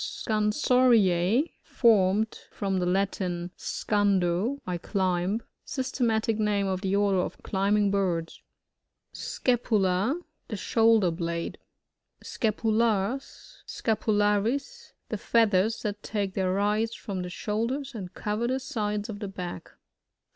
SoANsoRTA' — Formed from the Latin, seandoj I climb. Systematic name of the order of climbing birds. Scapula. — The shoulder blade. Scapulars (Sksapolaries) — The fbath ers that take their rise from the shoulders, and cover the sides of the back.